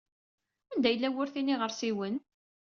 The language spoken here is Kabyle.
Anda yella wurti n yiɣersiwen?